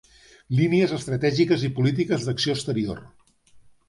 Línies estratègiques i polítiques d'acció exterior.